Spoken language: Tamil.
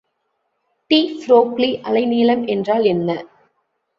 டி புரோக்ளி அலைநீளம் என்றால் என்ன?